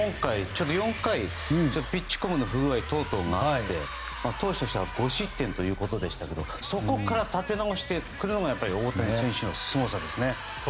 ４回、ピッチコムの不具合で投手としては５失点でしたがそこから立て直してくるのが大谷選手のすごさですね。